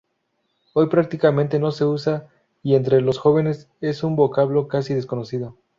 Hoy, prácticamente no se usa y entre los jóvenes es un vocablo casi desconocido.